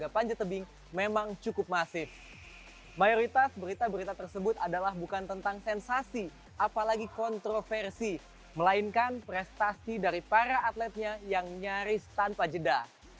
percaya diri bahwa indonesia itu mampu